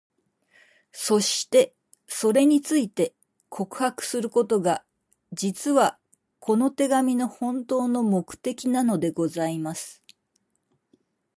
そして、それについて、告白することが、実は、この手紙の本当の目的なのでございます。